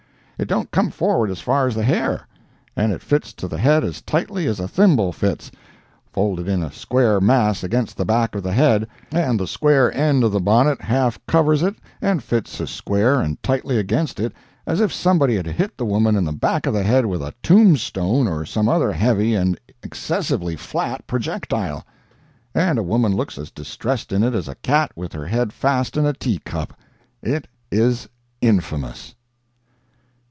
It don't come forward as far as the hair, and it fits to the head as tightly as a thimble fits, folded in a square mass against the back of the head, and the square end of the bonnet half covers it and fits as square and tightly against it as if somebody had hit the woman in the back of the head with a tombstone or some other heavy and excessively flat projectile. And a woman looks as distressed in it as a cat with her head fast in a tea cup. It is infamous.